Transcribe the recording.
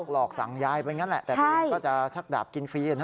หลอกสั่งยายไปงั้นแหละแต่ตัวเองก็จะชักดาบกินฟรี